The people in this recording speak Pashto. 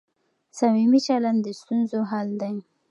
صميمي چلند د ستونزو حل دی.